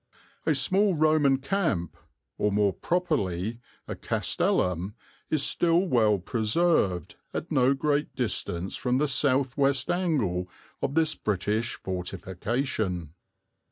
A small Roman camp, or more properly a castellum, is still well preserved at no great distance from the south west angle of this British fortification."